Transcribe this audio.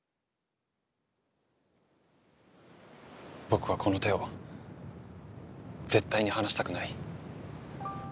僕はこの手を絶対に離したくない。